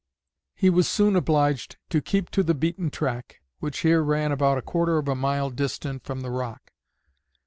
He was soon obliged to keep to the beaten track, which here ran about a quarter of a mile distant from the rock.